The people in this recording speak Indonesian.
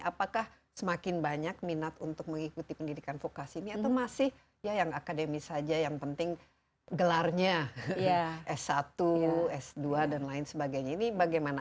apakah semakin banyak minat untuk mengikuti pendidikan vokasi ini atau masih ya yang akademis saja yang penting gelarnya s satu s dua dan lain sebagainya ini bagaimana